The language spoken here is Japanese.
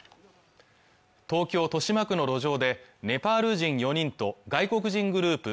東京・豊島区の路上でネパール人４人と外国人グループ